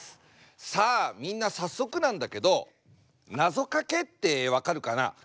さあみんな早速なんだけどなぞかけって分かるかな？